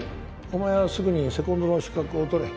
お前はすぐにセコンドの資格を取れ。